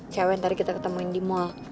cewek yang tadi kita ketemuin di mall